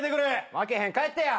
開けへん帰ってや。